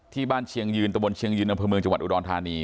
เชียงยืนตะบนเชียงยืนอำเภอเมืองจังหวัดอุดรธานี